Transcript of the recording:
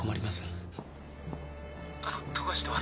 あの富樫とは。